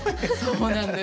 そうなんです。